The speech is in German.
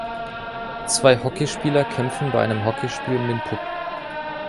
Zwei Hockeyspieler kämpfen bei einem Hockeyspiel um den Puck.